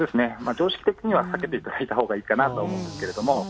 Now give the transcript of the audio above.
常識的には避けていただいたほうがいいかなと思うんですけれども。